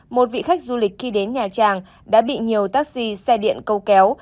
một vị khách du lịch khi đến nhà trang đã bị nhiều taxi xe điện câu kéo